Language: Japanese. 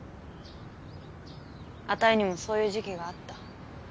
あたいにもそういう時期があった。